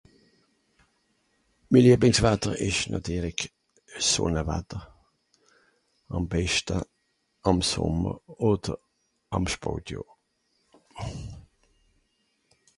min lieblings watter esch nàtirlig a sonne watter àm beschte àm sommer oder àm spòtjohr